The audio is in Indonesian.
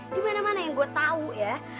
dimana mana yang gue tau ya